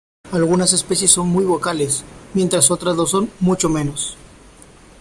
Algunas especies son muy vocales, mientras otras lo son mucho menos.